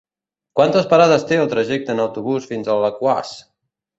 Quantes parades té el trajecte en autobús fins a Alaquàs?